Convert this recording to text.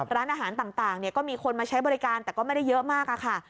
ร้านอาหารต่างก็มีคนมาใช้บริการแต่ก็ไม่ได้เยอะมากค่ะ